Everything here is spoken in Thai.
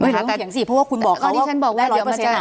แหลงว่าถึงเห็นซิเพราะคุณบอกเค้าว่าได้๑๐๐เปอร์เซ็นต์